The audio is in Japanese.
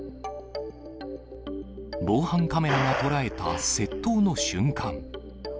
防犯カメラが捉えた窃盗の瞬間。